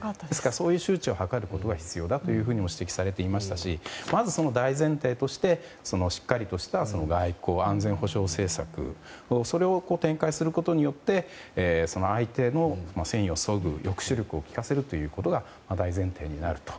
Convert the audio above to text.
そういう周知を図ることは必要だと指摘されていましたしまず大前提としてしっかりとした安全保障政策を展開することによって相手の戦意をそぐ抑止力をきかせるのが大前提になると。